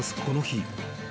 この日］